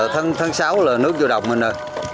tháng sáu là nước vô độc mình rồi